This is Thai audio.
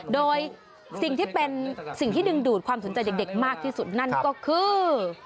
โดยสิ่งที่ดึงดูดความสนใจเด็กมากที่สุดนั่นก็คือ